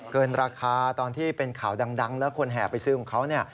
เกินราคาตอนที่เป็นข่าวดังแล้วคนแห่ไปซื้อของเขาเนี่ย